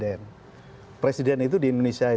apakah ini juga membuat zap